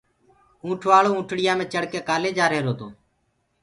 اونٺ وآݪواونٺڻييآ مي ڪآلي چڙه ڪي جآ ريهرو تو